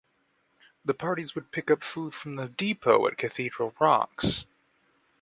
The parties would pick up food from the depot at Cathedral Rocks.